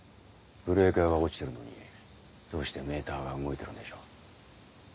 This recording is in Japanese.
ブレーカーが落ちてるのにどうしてメーターが動いてるんでしょう。